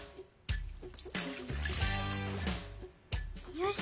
よし。